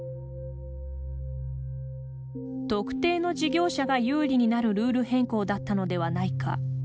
特定の事業者が有利になるルール変更だったのではないか。